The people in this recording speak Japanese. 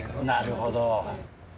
なるほど。